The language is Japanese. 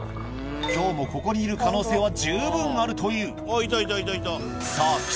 今日もここにいる可能性は十分あるというさぁ岸！